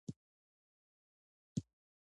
په افغانستان کې ډېر ښکلي سیلاني ځایونه شتون لري.